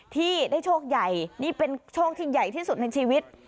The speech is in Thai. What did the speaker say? ที่ได้โชคใหญ่นี่เป็นโชคที่ใหญ่ที่สุดในชีวิต